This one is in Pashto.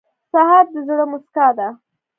سهار د زړه موسکا ده.